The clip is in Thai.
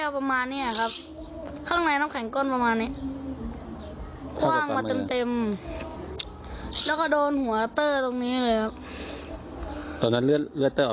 ผมก็ไปตามพระคอปเตอร์มา